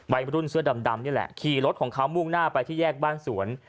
วัยรุ่นเสื้อดำนี่แหละขี่รถของเขามุ่งหน้าไปที่แยกบ้านสวน